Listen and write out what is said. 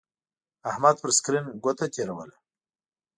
احمد پر سکرین گوته تېروله.